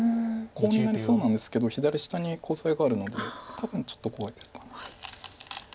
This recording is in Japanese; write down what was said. コウになりそうなんですけど左下にコウ材があるので多分ちょっと怖いですか。